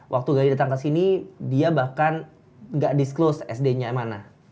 waktu gali datang kesini dia bahkan gak disclose sd nya mana